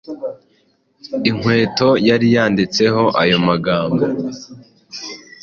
inkweto yari yanditseho ayo magambo.